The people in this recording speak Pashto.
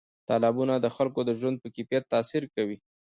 تالابونه د خلکو د ژوند په کیفیت تاثیر کوي.